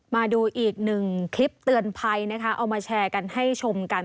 มาดูอีกหนึ่งคลิปเตือนภัยนะคะเอามาแชร์กันให้ชมกัน